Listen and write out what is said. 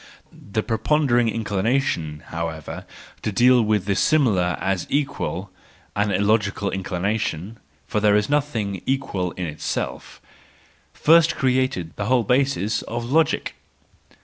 The preponderating THE JOYFUL WISDOM, III 157 inclination, however, to deal with the similar as the equal—an illogical inclination, for there is no¬ thing equal in itself—first created the whole basis of logic.